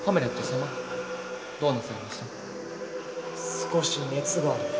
少し熱がある。